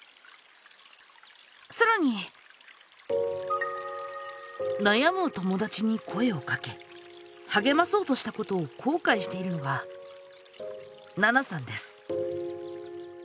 さらに悩む友だちに声をかけ励まそうとしたことを後悔しているのがななさんです。